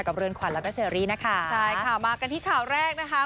เรือนขวัญแล้วก็เชอรี่นะคะใช่ค่ะมากันที่ข่าวแรกนะคะ